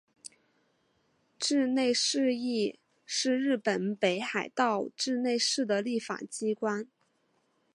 稚内市议会是日本北海道稚内市的立法机关。